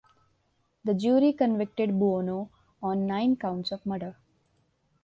The jury convicted Buono on nine counts of murder.